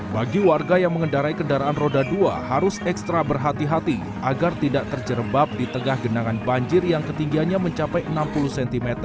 bagi warga yang mengendarai kendaraan roda dua harus ekstra berhati hati agar tidak terjerebab di tengah genangan banjir yang ketinggiannya mencapai enam puluh cm